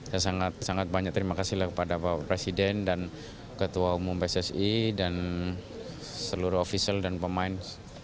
saya sangat banyak terima kasih kepada bapak presiden dan ketua umum pssi dan seluruh ofisial dan pemain